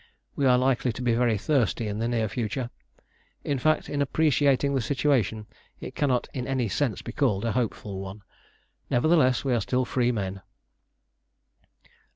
We are likely to be very thirsty in the near future. In fact, in appreciating the situation it cannot in any sense be called a hopeful one. Nevertheless, we are still free men!"